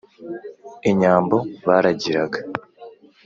inyambo baragiraga,